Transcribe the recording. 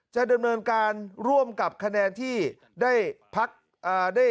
จะดำเนินการร่วมกับคะแนนที่ได้พัก